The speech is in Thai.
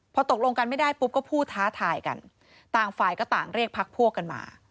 พอตกลงกันไม่ได้ปุ๊บก็พูดท้าทายกันต่างฝ่ายก็ต่างเรียกพักพวกกันมา